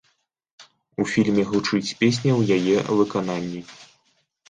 У фільме гучыць песня ў яе выкананні.